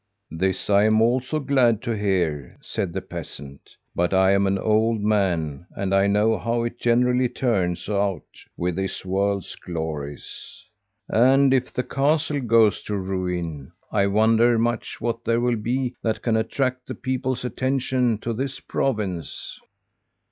"'This I am also glad to hear,' said the peasant. 'But I'm an old man, and I know how it generally turns out with this world's glories. And if the castle goes to ruin, I wonder much what there will be that can attract the people's attention to this province.'